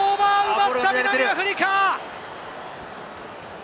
奪った南アフリカ。